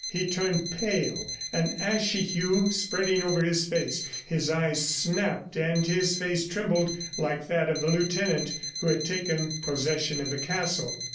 He turned pale, an ashy hue spreading over his face; his eyes snapped and his face trembled like that of the lieutenant who had taken possession of the castle.